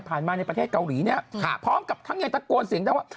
มาในประเทศเกาหลีเนี่ยพร้อมกับทั้งยังตะโกนเสียงดังว่า